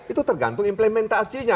itu tergantung implementasinya